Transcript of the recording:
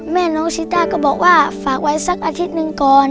แม่น้องชิต้าก็บอกว่าฝากไว้สักอาทิตย์หนึ่งก่อน